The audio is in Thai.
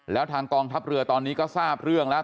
แล้วทางกองทัพเรือตอนนี้ก็ทราบเรื่องแล้ว